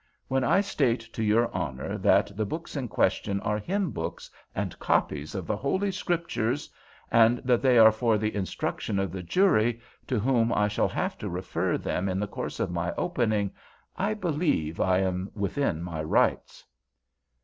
When I state to your Honor that the books in question are hymn books and copies of the Holy Scriptures, and that they are for the instruction of the jury, to whom I shall have to refer them in the course of my opening, I believe I am within my rights."